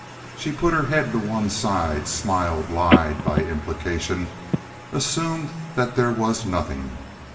She put her head to one side, smiled, lied (by implication), assumed that there was nothing.